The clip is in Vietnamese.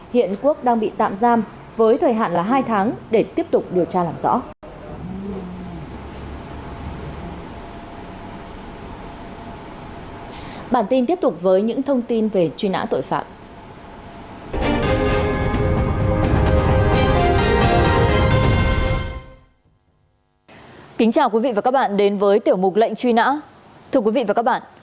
hiện quốc đang bị tạm giam với thời hạn là hai tháng để tiếp tục điều trả